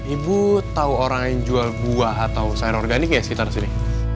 ibu tahu orang yang jual buah atau sayur organik ya sekitar sini